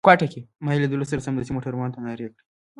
ما يې له لیدو سره سمدستي موټروان ته نارې کړې.